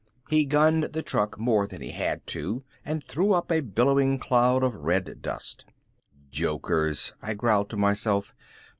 He gunned the truck more than he had to and threw up a billowing cloud of red dust. "Jokers," I growled to myself.